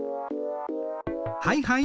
はいはい！